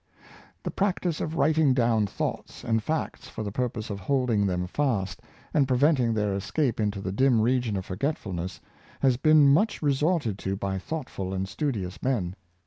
"" The practice of writing down thoughts and facts for the purpose of holding them fast and preventing their escape into the dim region of forgetfulness, has been much resorted to by thoughtful and studious men.